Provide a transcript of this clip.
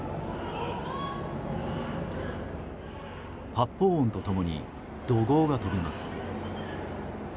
発砲音と共に怒号が飛びます。